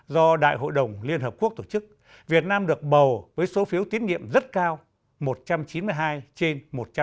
do đại hội đồng liên hợp quốc tổ chức việt nam được bầu với số phiếu tiến nghiệm rất cao một trăm chín mươi hai trên một trăm chín mươi ba